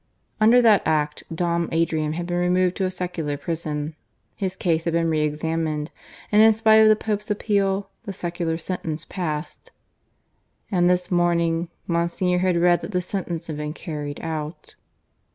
Under that Act Dom Adrian had been removed to a secular prison, his case had been re examined and, in spite of the Pope's appeal, the secular sentence passed. And this morning Monsignor had read that the sentence had been carried out.